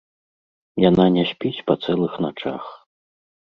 Яна не спіць па цэлых начах.